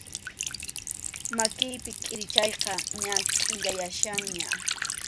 Makiypi kʼirichayqa ña kʼillayachkanña.